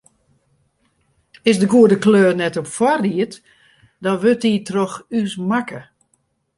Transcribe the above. Is de goede kleur net op foarried, dan wurdt dy troch ús makke.